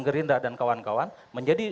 gerindra dan kawan kawan menjadi